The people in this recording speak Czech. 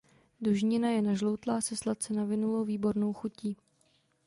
Dužnina je nažloutlá se sladce navinulou výbornou chutí.